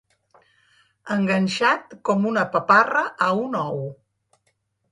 Enganxat com una paparra a un ou.